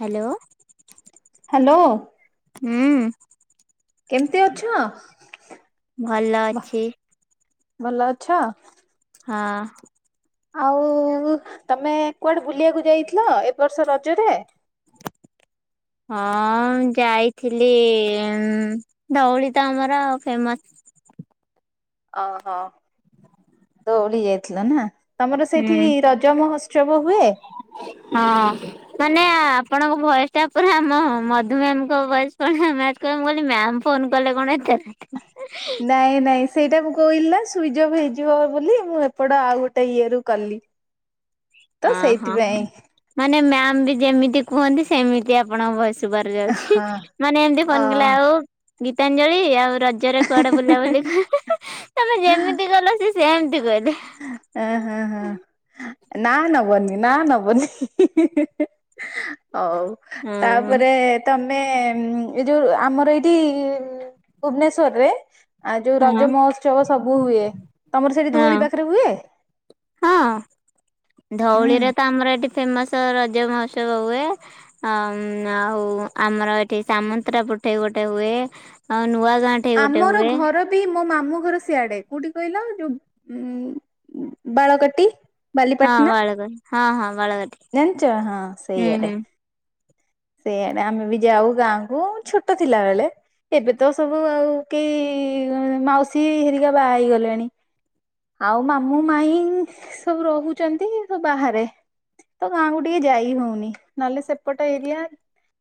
Hello! Hello. ହୁଁ। କେମିତି ଅଛ? ଭଲ ଭ- ଅଛି। ଭଲ ଅଛ? ହଁ। ଆଉ ତମେ କୁଆଡେ ବୁଲିବାକୁ ଯାଇଥିଲ ଏ ବର୍ଷ ରଜରେ? ହଁ ଯାଇଥିଲି। ଉଁ ଧଉଳି ତ ଆମର ଫେମସ୍। ଅହ ଦୋଉଡ଼ି ଯାଇଥିଲା ନା। ତମର ହୁଁ ସେଇଠି ରଜ ମହୋତ୍ସବ ହୁଏ? ହଁ। ମାନେ ଆପଣଙ୍କ ଭଏସ୍ଟା ପୁରା ଆମ ମଧୁ ମାମ୍ଙ୍କ ଭଏସ୍ ଭଳିଆ ମ୍ୟାଚ୍ କ ମୁ କହିଲି ମ୍ୟାମ ଫୋନ କଲେ କଣ ଏତେବେଳେ। [inaudible] ନାଇଁ ନାଇଁ ସେଇଟା ମୁଁ କହିଲି ନା ସୁଇଜ ଅଫ୍ ହେଇଯିବ ବୋଲି। ମୁଁ ଏପଟ ଆଉ ଗୋଟେ ଇଏରୁ କଲି। ତ ଅ ହଁ। ସେଇଥିପାଇଁ ମାନେ ମ୍ୟାମ ବି ଯେମିତି କୁହନ୍ତି ସେମିତି ଆପଣଙ୍କ ଭୟସ୍। ସୁଭାର ଯାଉଛି। ହଁ ମାନେ ଏମିତି ଅ ଫୋନ କଲେ ଆଉ ଗୀତାଞ୍ଜଳି ଆଉ ରଜରେ କୁଆଡେ ବୁଲା ବୁଲି କର। ତମେ ଯେମିତି କହିଲ ସିଏ ସେମିତି କହିବେ। ଅ ହ ହ। ନା ନବନି ନା ନବନି ହଉ। ହଁ ତାପରେ ତମେ ଏଇ ଯୋଉ ଆମର ଏଇଠି ଭୁବନେଶ୍ଵରରେ ଆଉ ଯୋଉ ରଜ ହଁ ମହୋତ୍ସବ ସବୁ ହୁଏ। ତମର ସେଠି ହଁ ଧଉଳି ପାଖ ହଁ ହୁଁ। ଧଉଳିରେ ତ ଆମର ଏଠି ଫେମସ ରଜ ମହୋତ୍ସବ ହୁଏ। ଅ ଆଉ ଆମର ଏଠି ସାମନ୍ତରା ପଟେ ଗୋଟେ ହୁଏ। ଆଉ ନୂଆ ଗାଁ ଠେଇ ଗୋଟେ ଆମର ହୁଏ ଘର ବି ମୋ ମାମୁଁ ଘର ସିଆଡ। କୋଉଠି କହିଲ? ଯୋଉ ଉଁ ଉଁ ବାଳକାଟି ହଁ ବାଲିପାଟଣା ବାଳକା ହଁ ହଁ ବାଳକାଟି। ଜାଣିଛ ହଁ ସେଇଆଡ଼େ। ସେଇଆଡେ ଆମେ ବି ଯାଉ ଗାଁକୁ ଛୋଟ ଥିଲା ବେଳେ। ଏବେ ତ ସବୁ ଆଉ କେହି ମାଉସୀ ହେରିକା ବାହା ହେଇଗଲେଣି। ଆଉ ମାମୁଁ ମାଇ ସବୁ ରହୁଛନ୍ତି ସବୁ ବାହାରେ। ତ ଗାଁକୁ ଟିକେ ଯାଇ ହଉନି ନହେଲେ ସେପଟ ଏରିଆ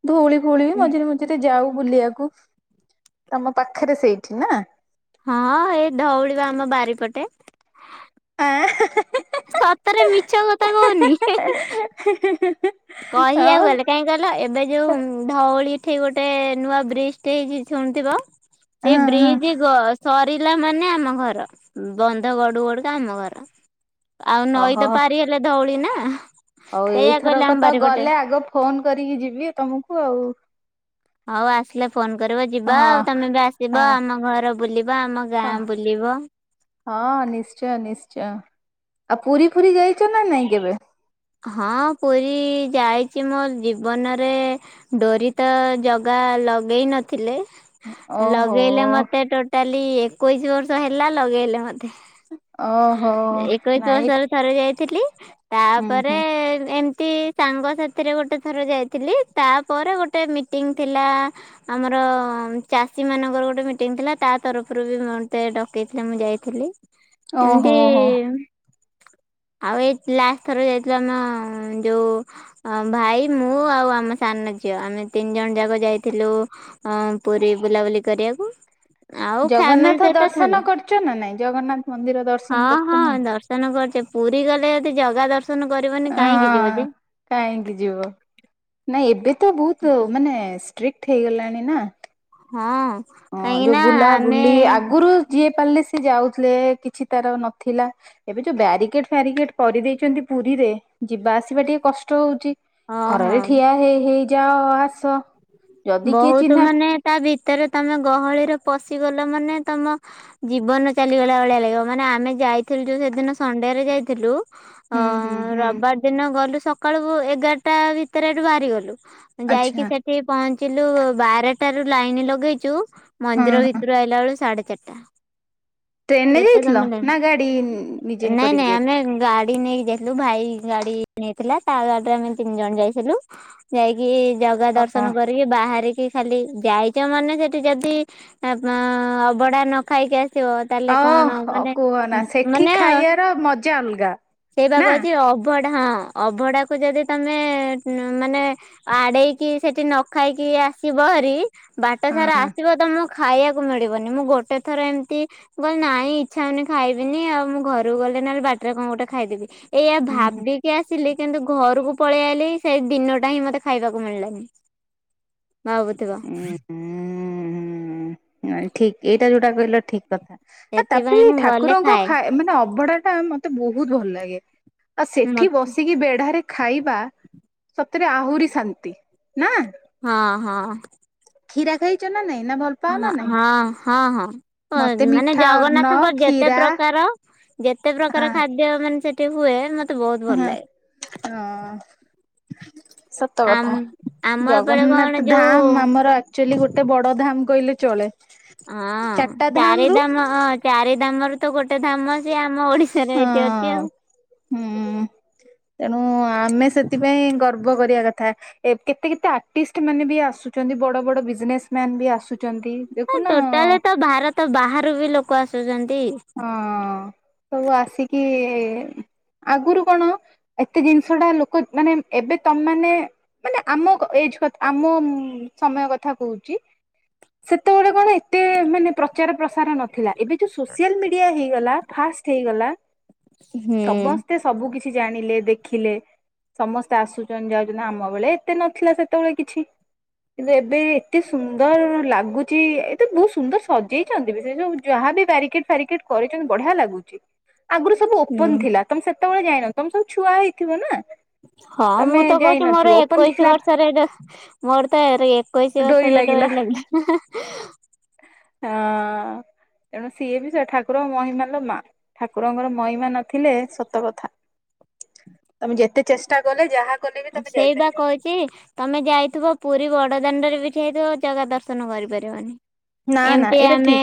ଧଉଳି ଫୋଉଳି ବି ମଝିରେ ମଝିରେ ଯାଉ ବୁଲିବାକୁ ତମ ପାଖରେ ସେଇଠି ନା। ହଁ ଏଇ ଧଉଳିବା ଆମ ବାରିପଟେ। ଆଁ ହା ହା। ସତରେ ମିଛ କଥା କହୁନି। ହା ହା ହା। କହିବାକୁ ଗଲେ କାହିଁ କହିଲ ଏବେ ଯୋଉ ଧଉଳି ଏଠି ଗୋଟେ ନୂଆ ବ୍ରିଜଟେ ହେଇଛି ଶୁଣିଥିବ ହଁ ସେଇ ହଁ ବ୍ରିଜ ଗ ସ ପିଲାମାନେ ଆମ ଘର ବନ୍ଧ ଗଡୁଗଡୁକା ଆମ ଘର। ଆଉ ନଈ ଓହୋ ତ ପାରି ହେଲେ ଧଉଳି ନା। ହଉ ସେଇଆ ଏଇଥର କହିଲେ ଆମ କଥା ବାରିପଟେ। ଗଲେ ଆଗ ଫୋନ କରିକି ଯିବି ତମକୁ ଆଉ। ହଉ ଆସିଲେ ଫୋନ କରିବ ଯିବା ହଁ ଆଉ ତମେ ବି ହଁ ଆସିବ ଆମ ଘର ବୁଲିବ ଆମ ଅ ଗାଁ ବୁଲିବ। ହଁ ନିଶ୍ଚୟ ନିଶ୍ଚୟ। ଆଉ ପୁରୀ ଫୁରୀ ଯାଇଛ ନା ନାଇଁ କେବେ? ହଁ ପୁରୀ ଯାଇଛି ମୋର ଜୀବନରେ ଡୋରି ତ ଜଗା ଲଗେଇ ନଥିଲେ ଓହୋ ଲଗେଇଲେ ମତେ ଟୋ ଟାଲି ଏକୋଇଶି ବର୍ଷ ହେଲା ଲଗେଇଲେ ମତେ। ଓହୋ ଏକୋଇଶି ନାଇଟ୍ ବର୍ଷର ଥରେ ଯାଇଥିଲି ହୁଁ ତାପରେ ହୁଁ ଏମ ତି ସାଙ୍ଗ ସାଥିରେ ଗୋଟେ ଥର ଯାଇଥିଲି ତାପରେ ଗୋଟେ ମିଟିଙ୍ଗ ଥିଲା ଆମର ଚାଷୀ ମାନଙ୍କର ଗୋଟେ ମିଟିଂ ଥିଲା ତା ତରଫରୁ ବି ମ ମତେ ଡକେଇଥିଲେ ମୁଁ ଯାଇଥିଲି। ଏମିତି ଓହୋ ହୋ ଆଉ ଏଇ ଲାଷ୍ଟ ଥରେ ଯାଇଥିଲା ନ ଯୋଉ ହଁ ଭାଇ ମୁଁ ଆଉ ଆମ ସାନ ଝିଅ ଆମେ ତିନି ଜଣ ଯାକ ଯାଇଥିଲୁ ହଁ ପୁରୀ ବୁଲାବୁଲି କରିଆକୁ। ଜଗନ୍ନାଥ ଦର୍ଶନ କରିଚ ନା ନାଇଁ ଜଗନ୍ନାଥ ମନ୍ଦିର ଦର୍ଶନ କରିଚ ନା। ତମେ କହୁଛ ପୁରୀ ଗଲେ ଯଦି ଜଗା ଦର୍ ଶନ କରିବା ଏ ହଁ କାହିଁକି ଯିବ ନାଇଁ ଏବେ ତ ବୋହୁତୁ ମାନେ ସି ଟ୍ରିକ୍ଟ ହେଇଗଲାଣି ନା। ହଁ। ହଁ କାହିଁକି ଯୋଉ ନା ବୁଲା ଆମେ ବୁଲି ଆଗୁରୁ ଯିଏ ପାରିଲେ ସିଏ ଯାଉଥିଲେ କିଛି ତାର ନଥିଲା। ଏବେ ଯୋଉ ବ୍ୟାରିକେଟ୍ ଫ୍ୟାରିକେଟ୍ କରି ଦେଇଛନ୍ତି ପୁରୀରେ ଯିବା ଆସିବା ଟିକେ କଷ୍ଟ ହଉଚି। ହଁ ଖରାରେ ହଁ। ଠିଆ ହେଇ ହେଇ ଯାଅ ଆସ। ଯଦି କିଏ ବୋହୁତୁ ଚିହ୍ନା ମାନେ ତା ଭିତେରେ ତମେ ଗହଳିରେ ପଶିଗଲ ମାନେ ତମ ଜୀବନ ଚାଲିଗଲା ଭଳିଆ ଲାଗିବ ମାନେ ଆମେ ଯାଇଥିଲୁ ଯୋଉ ସେଦିନ ସଣ୍ଡେରେ ଯାଇଥିଲୁ। ଅ ହୁଁ ହୁଁ ହୁଁ ରବିବାର ଦିନ ଗଲୁ ସକାଳୁ ଏଗାରଟା ଭିତେରେ ଏଠୁ ବାହାରି ଗଲୁ। ଆଚ୍ଛା ଯାଇକି ସେଠି ପହଞ୍ଚିଲୁ ବାରେଟାରୁ ଲାଇନି ଲଗେଇଚୁ ହଁ ମନ୍ଦିର ହଁ ଭିତୁରୁ ଆଇଲା ବେଳୁ ସାଢେ ଚାରିଟା। ଟ୍ରେନରେ କେତେ ଯାଇଥିଲ ସମୁଦାୟ ନା ଗାଡି ନିଜେ ନାଇଁ କରିକି ନାଇଁ ଆମେ ଗା ଡି ନେଇକି ଯାଇଥିଲୁ ଭାଇ ଗାଡି ନେଇଥିଲା ତା ଗାଡିରେ ଆମେ ତିନି ଜଣ ଯାଇଥିଲୁ। ଯାଇକି ଜଗା ଯାଇ ଦର୍ଶନ କରିକି ବାହାରିକି ଖାଲି ଯାଇଛ ମାନେ ସେଠି ଯଦି ଆପ୍ ମା ଅବଢା ନ ଖାଇକି ଆସିବ ତାହେଲେ କଣ ଓହୋ ମାନେ କୁହନା ଉଁ ସେଠି ମାନେ ଖାଇବାର ମଜା ଅଲଗା ସେଇବା ନା କହୁଛି ଅବ୍ ବଢା ଅଭଡାକୁ ଯଦି ତମେ ଉଁ ମାନେ ଆଡେଇକି ସେଠି ନ ଖାଇକି ଆସିବ ହାରି ବାଟ ସାରା ହଁ। ଆସିବ ତମ ଖାଇଆକୁ ମିଳିବନି ମୁଁ ଗୋଟେ ଥର ଏମତି ମୁଁ କହିଲି ନାଇଁ ଇଚ୍ଛା ହଉନି ଖାଇବିନି ଆଉ ମୁଁ ଘରକୁ ଗଲେ ନହେଲେ ବାଟରେ କଁ ଗୋଟେ ଖାଇଦେବି। ଏଇଆ ହୁଁ ହୁଁ ଭାବିକି ଆସିଲି କିନ୍ତୁ ଘରକୁ ପଳେଇ ଆଇଲି ସେଇ ଦିନଟା ହିଁ ମତେ ଖାଇବାକୁ ମିଳିଲାନି। ଭାବୁଥିବ। ଉଁ ହୁଁ ନାଇଁ ଠିକ୍ ଏଇଟା ଯୋଉଟା କହିଲ ଠିକ୍ କଥା। ଆଉ ସେଥିପାଇଁ ତାପଲେ ମୁଁ ଗଲେ ଠାକୁରଙ୍କ ଖାଏ ଖା ଏ ମାନେ ଅବଢାଟା ମତେ ବୋହୁତ ଭଲ ଲାଗେ। ଆଉ ସେଠି ମତେ ବସିକି ବେଢାରେ ଖାଇବା ସତେରେ ଆହୁରି ଶାନ୍ତି ନା। ହଁ ହଁ। ଖୀରା ଖାଇଚ ନା ନାଇଁ ନା ଭଲ୍ ହଁ ହଁ ହଁ ହଁ ମତେ [unintelligible] ମାନେ ମିଠା ଅନ୍ନ ଜଗନ୍ନାଥଙ୍କ ଯେତେ କ୍ଷୀରା ପ୍ରକାର ଯେତେ ପ୍ରକାର ଖାଦ୍ୟ ମାନେ ସେଠି ହୁଏ ମ ହୁଁ ହାଁ ହଁ। ସତ ଆମ କଥା ଆମ ଏପଟେ କଣ ଜଗନ୍ନାଥ ଯୋଉ ଧାମ୍ ଆମର କ୍ଚୁଏଲି ଗୋଟେ ବଡ ଧାମ୍ କହିଲେ ଚଳେ। ହଁ ଚାରିଟା ଧାମ ରୁ ଚାରିଧାମ ଚାରିଧାମରୁ ତ ଗୋଟେ ଧାମ ସିଏ ଆମ ଓଡିଶାରେ ଏଇଠି ଅଚି ହଁ ଆଉ। ହୁଁ ତେଣୁ ଆମେ ସେଥିପାଇଁ ଗର୍ବ କରିବା କଥା। ଏ କେତେ କେତେ ଆର୍ଟିଷ୍ଟମାନେ ବି ଆସୁଛନ୍ତି ବଡ ବଡ ବିଜନେସମ୍ୟାନ୍ ବି ଆସୁଛନ୍ତି। ହଁ ଦେଖୁନ ଟୋଟାଲି ତ ଭାରତ ବାହାରୁ ବି ଲୋକ ଆସୁଛନ୍ତି। ହଁ ସବୁ ଆସିକି ଆଗୁରୁ କଣ ଏତେ ଜିନିଷଟା ଲୋକ ମାନେ ଏବେ ତମେମାନେ ମାନେ ଆମ କ ଏଜ୍ କଥ୍ ଆମ ଉଁ ସମୟ କଥା କହୁଚି। ସେତବେଳେ କଣ ଏତେ ମାନେ ପ୍ରଚାର ପ୍ରସାର ନଥିଲା ଏବେ ଯୋଉ ସୋ ସିଆଲ୍ ମିଡିଆ ହେଇଗଲା ଫାଷ୍ଟ୍ ହେଇଗଲା ହୁଁ ସବସ୍ତେ ସବୁ କିଛି ଜାଣିଲେ ଦେଖିଲେ ସମସ୍ତେ ଆସୁଛନ୍ତି ଯାଉଛନ୍ତି ଆମ ବେଳେ ଏତେ ନଥିଲା ସେତବଳେ କିଛି। କିନ୍ତୁ ଏବେ ଏତେ ସୁନ୍ଦର ଲାଗୁଛି ଏତେ ବୋହୁତ ସୁନ୍ଦର ସଜେଇଛନ୍ତି ବି ସେ ଯୋଉ ଯାହା ବି ବ୍ୟାରିକେଟ୍ ଫ୍ୟାରିକେଟ୍ କରିଛନ୍ତି ବଢିଆ ଲାଗୁଚି ଆଗୁରୁ ସବୁ ହୁଁ। ଓପନ୍ ଥିଲା। ତମେ ସେତବେଳେ ଯାଇନ ତମେ ସବୁ ଛୁଆ ହେଇଥିବ ନାଁ। ହଁ ମୁଁ ତ କହୁଚି ମୋର ଏକୋଇଶି ଥିଲା ବର୍ଷରେ ଦେ ମୋର ତ ଏରି ଏକୋଇଶି ବର୍ଷରେ ଡୋରି ଲାଗିଲା। ହଁ ଏଣୁ ସିଏ ବି ସେ ଠାକୁର ମହିମା ଲୋ ମା ଠାକୁରଙ୍କର ମହିମା ନଥିଲେ ସତ କଥା। ତମେ ଯେତେ ଚେଷ୍ଟା କଲେ ଯାହା କଲେ ବି ଓ ତମେ ସେଇଟା ଯାଇପାରିବନି। କହି କି ତମେ ଯାଇଥିବ ପୁରୀ ବଡ଼ ଦାଣ୍ଡରେ ବି ଯାଇଥିବ ଜାଗା ଦର୍ଶନ କରିପାରିବନି। ନା ନା ଏମତି ଏଇଟା ଠିକ ଆମେ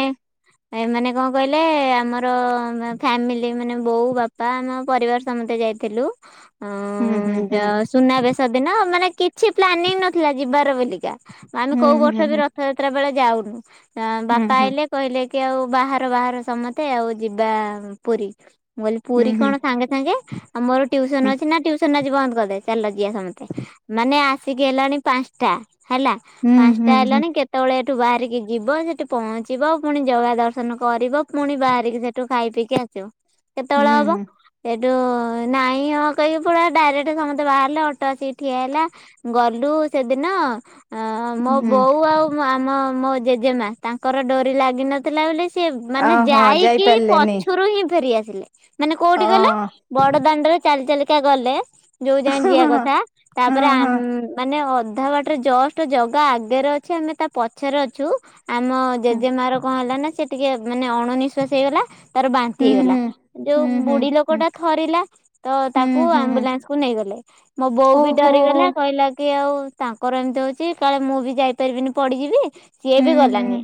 ଏମାନେ କଁ କହିଲେ ଆମର ମା ଫ୍ୟାମିଲି ମାନେ ବୋଉ ବା ପା ଆମ ପରିବାର ସମତେ ଯାଇଥିଲୁ। ଅଁ ହୁଁ ଯ ସୁନାବେଶ ଦିନ ମାନେ କିଛି ପ୍ଲାନିଂ ନଥିଲା ଯିବାର ବୋଲି। କ୍ୟାଆମେ କୋଉ ବର୍ଷ ବି ରଥଯାତ୍ରା ବେଳେ ଯାଉନୁ ଆ ବାପା ଆଇଲେ କହିଲେ କି ଆଉ ବାହାର ବାହାର ସମତେ ଆଉ ଯିବା ପୁରୀ। ମୁଁ କହିଲି ପୁରୀ କଣ ସାଙ୍ଗେ ସାଙ୍ଗେ ଆଉ ମୋର ଟ୍ୟୁସନ୍ ଅଛି ନାଁ ଟ୍ୟୁସନ୍ ଆଜି ବନ୍ଦ କରିଦେ। ଚାଲ ଯିଆ ସମତେ ମାନେ ଆସିକି ହେଲାଣି ପାଁଶଟା ହେଲା ପାଁଶଟା ହେଲାଣି କେ ତଳେ ଏଠୁ ବାହାରିକି ଯିବ ସେଠି ପହଞ୍ଚିବ ପୁଣି ଜଗା ଦର୍ଶନ କରିବ ପୁଣି ବାହାରିକି ସେଠୁ ଖାଇ ପିଇକି ଆସିବ କେତୋଳେ ହବ? ସେ ଟୁ ନାଇଁ ହଁ କହିବେ ପୁଡ଼ା ଡାଇରେଟେ ସମ ତେ ବାହାରିଲେ ଅଟୋ ଆସିକ ଠିଆ ହେଲା ଗଲୁ ସେଦିନ ମୋ ବୋଉ ଆଉ ମୁଁ ଆମ ମୋ ଜେଜେମା ତାଙ୍କର ଡୋରି ଲାଗିନଥିଲା ବୋଲି ସିଏ ମାନେ ଓହୋ ଯାଇକି ଯାଇପାରିଲେନି ପଛୁରୁ ହିଁ ଫେରିଆସିଲେ ମାନେ କୋଉଠି ଅ କହିଲ ବଡ଼ ଦାଣ୍ଡରେ ଚାଲି ଚାଲିକା ଗଲେ ଯୋଉ ଯାଏଁ ଯିିଆ କଥା ହଁ ତାପରେ ହଁ ଆମ୍ ମାନେ ଅଧା ବାଟରେ ଜଷ୍ଟ ଜଗା ଆଗରେ ଅଛି ଆମେ ତା ପଛରେ ଅଛୁ। ଆମ ଜେଜେ ହୁଁ ମାର କଁ ହେଲା ନାଁ ସେ ଟିକେ ମାନେ ଅଣ ନିିଶ୍ଵାସୀ ହେଇଗଲା। ତାର ବାନ୍ତି ହେଇଗଲା ହୁଁ ଯୋଉ ହୁଁ ହୁଁ ବୁଢ଼ୀ ହୁଁ ଲୋକଟା ଥରିଲା ତ ହୁଁ ତାକୁ ହୁଁ ଆମ୍ବୁଲାନ୍ସ୍ କୁ ନେଇଗଲେ ମୋ ବୋଉ ବି ଓହୋ ଡରିଗଲା କହିଲା କି ଆଉ ତାଙ୍କର ଏମିତି ହଉଚି କାଳେ ମୁଁ ବି ଯାଇପାରିବିନି ପଡି଼ଯିବି ସିଏ ହୁଁ ବି ହୁଁ ଗଲାନି।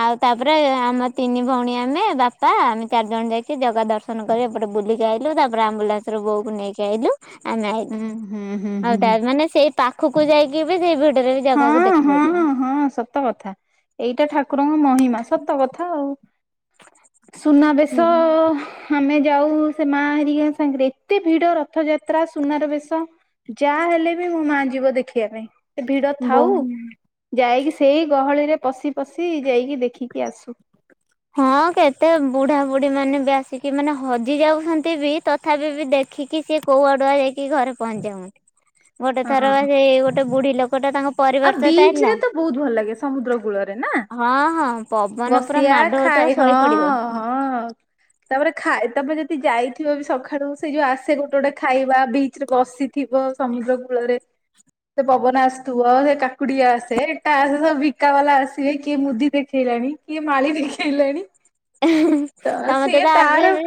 ଆଉ ତାପରେ ଆମ ତିନି ଭଉଣୀ ଆମେ ବାପା ଆମେ ଚାରିଜଣ ଯାଇକି ଜଗା ଦର୍ ଶନକରି ଏପଟେ ବୁଲିକି ଆଇଲୁ ତାପରେ ଆମ୍ବୁଲାନ୍ସ୍ ରୁ ବୋଉକୁ ନେଇକି ଆଇଲୁ। ଆମେ ଆଉଲୁ ହୁଁ ହୁଁ ହୁଁ ଆଉ ଥା ହୁଁ ମାନେ ସେଇ ପାଖୁକୁ ଯାଇକି ବି ସେଇ ଭିଡ଼ରେ ବି ଜାଗାକୁ ଦେଖିପାରିଲେନି। ତ କଥା ଏଇଟା ଠାକୁରଙ୍କ ମହିମା ସତ କଥା ଆଉ। ହୁଁ। ସୁନାବେଶ ଆମେ ଯାଉ ସେ ମା ହେରିକା ସାଙ୍ଗରେ ଏତେ ଭିଡ଼ ରଥଯାତ୍ରା ସୁନାର ବେଶ। ଯାହା ହେଲେ ବି ମୋ ମା ଯିବ ଦେଖିବା ପାଇଁ ହେ ଭିଡ଼ ଥାଉ ବହୁ ଯାଇକି ସେଇ ଗହଳିରେ ପଶି ପଶି ଯାଇକି ଦେଖିକି ଆସୁ। ହଁ କେତେ ବୁଢ଼ାବୁଢ଼ୀମାନେ ବି ଆସିକି ମାନେ ହଜି ଯାଉଛନ୍ତି ବି ତ ଥାପି ବିି ଦେଖିକି ସିଏ କେଉ ଆଡ଼ୁଆ ହେଇକି ଘରେ ପହଞ୍ଚାଉ ଗୋଟେ ଥର ବା ହଁ ସେଇ ଗୋଟେ ବୁଢ଼ୀ ଲୋକଟା ତାଙ୍କ ପରିବାର ଆଉ ସହିତ ବିଚ୍ ଆଇଥିଲା। ରେ ତ ବହୁତ ଭଲ ଲାଗେ ସମୁଦ୍ର କୂଳରେ, ନାଁ? ହଁ ହଁ ପବନ ପୁରା ମା ଖାଇ ହଁ ହଁ। ତାପରେ ଖା ତାପରେ ଯଦି ଯାଇଥିବ ବି ସଖାଳୁ ସେ ଯୋଉ ଆସେ ଗୋଟେ ଗୋଟେ ଖାଇବା ବିଚ୍ ରେ ବସି ଥିବ ସମୁଦ୍ର କୂଳରେ। ସେ ପବନ ଆସଥୁବ ସେ କାକୁଡ଼ି ଆସେ ଏଟା ଆସେ ସବୁ ଭିକା ବାଲା ଆସିବେ କିଏ ମୁଦି ଦେଖ୍ ହିରାଣି କିଏ ମାଳି ଦେଖେଇଲାଣି। ତ ସମତେ ସିଏ ତ ଆସିବେ ତାର ଯେ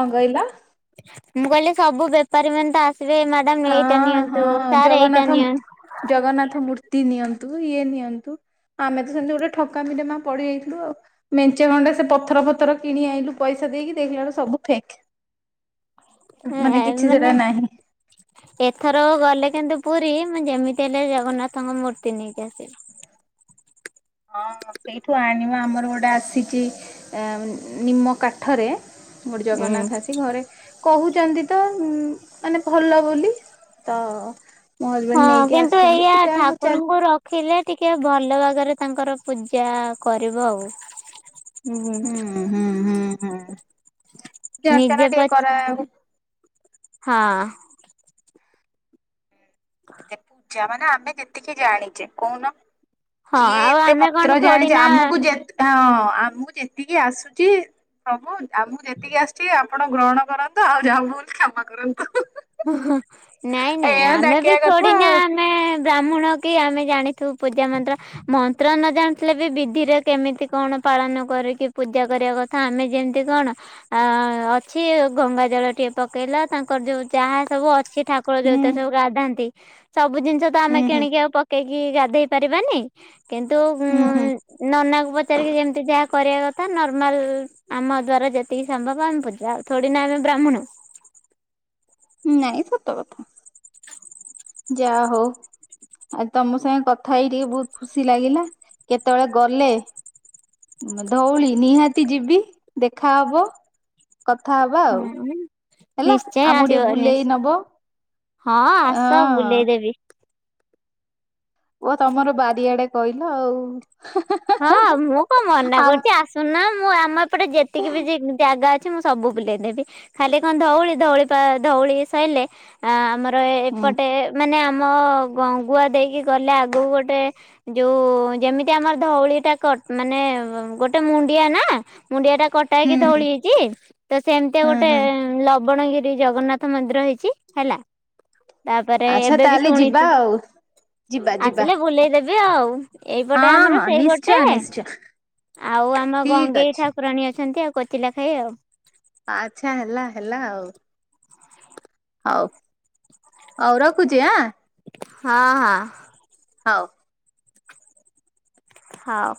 ଅଁ କହିଲ? ମୁଁ କହିଲି ସବୁ ବେପାରୀ ମାନେ ତ ଆସିବେ ମ୍ୟାଡାମ୍ ଏଇଟା ହଁ ହଁ ନିଅନ୍ତୁ ସାର୍ ଏଇଟା ଜଗନ୍ନାଥ ନିଅ ଜଗନ୍ନାଥ ମୂର୍ତ୍ତି ନିଅନ୍ତୁ ଇଏ ନିଅନ୍ତୁ। ଆମେ ତ ସେମିତି ଗୋଟେ ଠକାମିରେ ମା ପଡିଯାଇଥିଲୁ ଆଉ। ମେଞ୍ଚେ ଖଣ୍ଡେ ସେ ପଥର ଫଥର କିଣି ଆଇଁଲୁ ପଇସା ଦେଇକି ଦେଖିଲା ବଳୁ ସବୁ ଫେକ୍। କିଛି ମାନେ ସେଟା ନାହିଁ ଏଥରକ ଗଲେ କିନ୍ତୁ ପୁରୀ ମୁଁ ଯେମିତି ହେଲେ ଜଗନ୍ନାଥଙ୍କ ମୂର୍ତ୍ତି ନେଇକି ଆସିବି। ହଁ ସେଇଠୁ ଆଣିବ ଆମର ଗୋଟେ ଆସିଚି ନିମ କାଠରେ ଗୋଟେ ଉଁ। ଜଗନ୍ନାଥ ଆସି ଘରେ କହୁଚନ୍ତି ତ ମାନେ ଭଲ ବୋଲି। ତ ମୋ ହଁ। ହଜବେଣ୍ଡ ନେଇକି କିନ୍ତୁ ଆସିଛନ୍ତି ଏଇଆ ପୂଜା ଚାଲି ଠାକୁରଙ୍କୁ ର ଥିଲେ ଟିକେ ଭଲ ଭାଗରେ ତାଙ୍କର ପୂଜା କରିବ ଆଉ। ହୁଁ ହୁଁ। ହୁଁ ହୁଁ ହୁଁ ପୂଜା ଅର୍ଚ୍ଚନା ନିଜେ ଟିକେ ପ କରା ହଁ। ପୂଜା ମାନେ ଆମେ ଯେତିକି ଜାଣିଚେ କହୁନ। ହଁ କିଏ ଆଉ ଏତେ ଆମେ କଣ ମନ୍ତ୍ର ଥୋଡି ଜାଣିଚି ନା ଆମକୁ ଯେ ହଁ ଆମକୁ ଯେତିକି ଆସୁଚି ପ୍ରଭୁ ଆମକୁ ଯେତିକି ଆସୁଚି ଆ ଆପଣ ଗ୍ରହଣ କରନ୍ତୁ। ଆଉ ଯାହା ଭୁଲ୍ କ୍ଷମା କରନ୍ତୁ। ନାଇଁ ନାଇଁ ଏଇଆ ଆମେ ବି ଡାକିବା ଥୋଡି କଥା ନା ଆଉ ଆମେ ବ୍ରାହ୍ମଣ କି ଆମେ ଜାଣିଥିବୁ ପୂଜା ମନ୍ତ୍ର। ମନ୍ତ୍ର ନ ଜାଣିଥିଲେ ବି ବିଧିରେ କେମିତି କଣ ପାଳନ କରିକି ପୂଜା କରିବା କ ଥା, ଆମେ ଯେମିତି କଣ ଅ ଅଛି ଗଙ୍ଗା ଜଳ ଟିକେ ପକେଇଲା ତାଙ୍କର ଯୋଉ ଯାହା ସବୁ ଅଛି ଠାକୁର ହୁଁ ଯୋଉଥିରେ ସବୁ ଗାଧାନ୍ତି, ସବୁ ଜିନିଷ ତ ହୁଁ ଆମେ ହୁଁ କିଣିକି ଆଉ ପ ପକେଇକି ଗାଧେଇ ପାରିବାନି, କିନ୍ତୁ ହୁଁ ହୁଁ ନନାକୁ ପଚାରିକି ଯେମିତି ଯାହା କରିବା କଥା ନର୍ମାଲ ଆମ ଦ୍ଵାରା ଯେତିକି ସମ୍ଭବ ଆମେ ପୂଜା ଆଉ ଥୋଡି ଆମେ ବ୍ରାହ୍ମଣ। ନାଇଁ ସତ କଥା। ଯା ହଉ। ଆଉ ତମ ସାଙ୍ଗେ କଥା ହେଇ ଟିକେ ବହୁତ୍ ଖୁସି ଲାଗିଲା। କେତେବେଳେ ଗଲେ ଧଉଳି ନିହାତି ଯିବି। ଦେଖା ହବ। କଥା ହବା ଆଉ ହେଲା। ନିଶ୍ଚୟ ଆମକୁ ଆସିବ ଟିକେ ନିଶ୍ ବୁଲେଇ ନବ। ହଁ ଆସ ହଁ ବୁଲେଇଦେବି। ଓ ତମର ବାରିଆଡେ କହିଲ ଆଉ। ହଁ ମୁଁ କଣ ମନା ଆ କରୁଚି ଆସ୍ ସୁୁଣୁନ ମୁଁ ଆମ ଏପଟେ ଯେତିକି ବି ଜାଗା ଅଛି ସବୁ ବୁଲେଇନେବି। ଖାଲି କଣ ଧଉଳି ଧଉଳି ପା ଧଉଳି ସଇଲେ ଆମର ହୁଁ ଏପଟେ ମାନେ ଆମ ଗଙ୍ଗୁଆ ଦେଇକି ଗଲେ ଆଗକୁ ଗୋଟେ ଯୋଉ ଯେମିତି ଆମର ଧଉଳି ଟା କ ମାନେ ଗୋଟେ ମୁଣ୍ଡିଆ ନା, ମୁଣ୍ଡିଆ ଟା କଟା ହୁଁ ହେଇକି ଧଉଳି ହେଇଚି। ତ ସେମିତିଆ ହୁଁ ଗୋଟେ ହୁଁ ଲବଣଗିରି ଶ୍ରୀ ଜଗନ୍ନାଥ ମନ୍ଦିର ହେଇଚି ହେଲା। ତାପରେ ଆଚ୍ଛା ଏବେ ବି ତାହେଲେ ଯିବା ଶୁଣିଚି। ଆଉ ଯିବା ଯିବା ଆସିଲେ ବୁଲେଇ ଦେ ବି ଆଉ। ହଁ ଏଇପଟେ ଆମର ହଁ ସେଇ ପଟେ ନିଶ୍ଚୟ ନିଶ୍ଚୟ ଆଉ ଆମ ଠିକ ଗଙ୍ଗେଇ ଅଛି ଠାକୁରାଣୀ ଅଛନ୍ତି ଆଉ କୋଚିଲା ଖାଇ ଆଉ। ଆଚ୍ଛା ହେଲା ହେଲା ଆଉ। ହଉ। ହଉ ରଖୁଚି ଆଁ। ହଁ ହଁ। ହଉ। ହଉ।